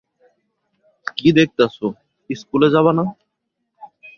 কি দেখতাছো, স্কুলে যাবা না?